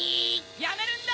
・やめるんだ！